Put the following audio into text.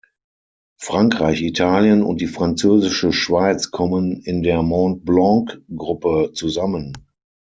Frankreich, Italien und die französische Schweiz kommen in der Mont-Blanc-Gruppe zusammen.